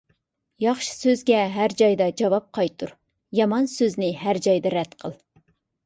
ياخشى سۆزگە ھەر جايدا جاۋاب قايتۇر، يامان سۆزنى ھەر جايدا رەت قىل.